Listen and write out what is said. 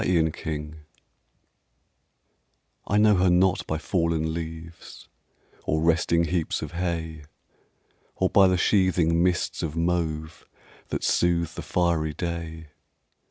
AUTUMN I know her not by fallen leaves Or resting heaps of hay; Or by the sheathing mists of mauve That soothe the fiery day.